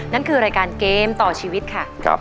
นั่นคือรายการเกมต่อชีวิตค่ะ